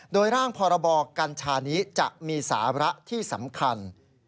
โดยร่างพรบกัญชานี้จะมีสาระที่สำคัญ